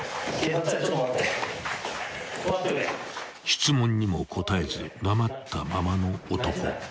［質問にも答えず黙ったままの男。